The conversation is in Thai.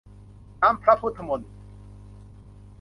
น้ำพระพุทธมนต์